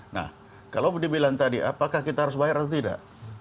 nah kalau dibilang tadi apakah kita harus bayar atau tidak